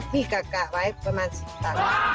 กะไว้ประมาณ๑๐ตัน